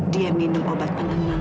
dia minum obat penenang